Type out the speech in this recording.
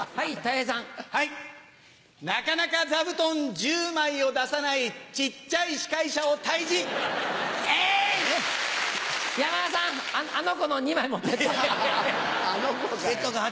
なかなか座布団１０枚を出さない、ちっちゃい司会者を退治、山田さん、あの子の２枚持っあの子。